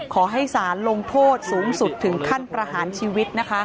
ขอให้สารลงโทษสูงสุดถึงขั้นประหารชีวิตนะคะ